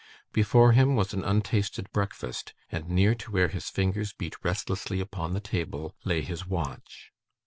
Before him was an untasted breakfast, and near to where his fingers beat restlessly upon the table, lay his watch.